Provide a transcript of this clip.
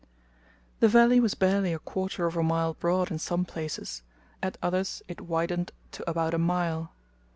The valley was barely a quarter of a mile broad in some places at others it widened to about a mile.